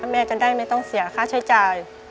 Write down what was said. แม่จะได้ไม่ต้องเสียค่าใช้จ่าย